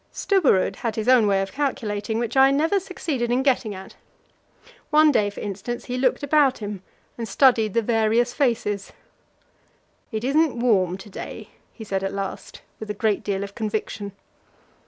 Stubberud had his own way of calculating, which I never succeeded in getting at. One day, for instance, he looked about him and studied the various faces. "It isn't warm to day," he said at last, with a great deal of conviction.